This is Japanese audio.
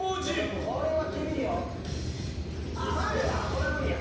これは無理や。